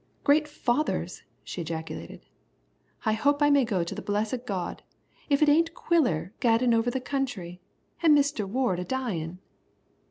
"Great fathers!" she ejaculated, "I hope I may go to the blessed God if it ain't Quiller gaddin' over the country, an' Mister Ward a dyin'."